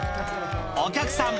お客さん